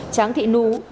tráng thị nú